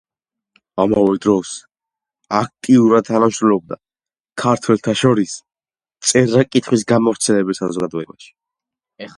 ამავე დროს აქტიურად თანამშრომლობდა „ქართველთა შორის წერა-კითხვის გამავრცელებელ საზოგადოებაში“.